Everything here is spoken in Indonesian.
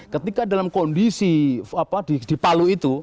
ketika dalam kondisi di palu itu